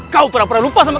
kau pernah lupa sama kami